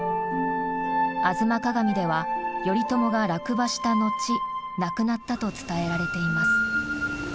「吾妻鏡」では頼朝が落馬した後亡くなったと伝えられています。